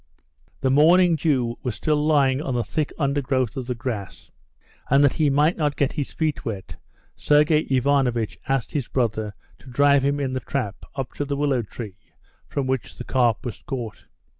The morning dew was still lying on the thick undergrowth of the grass, and that he might not get his feet wet, Sergey Ivanovitch asked his brother to drive him in the trap up to the willow tree from which the carp was caught.